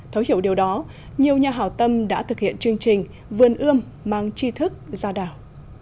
thấu hiểu điều đó nhiều nhà hào tâm đã thực hiện chương trình vườn ươm mang chi thức ra đảo